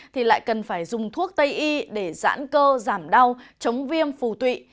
thì lại cần phải dùng thuốc tây y để giãn cơ giảm đau chống viêm phù tụy